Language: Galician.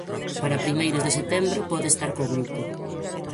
Para primeiros de setembro pode estar co grupo.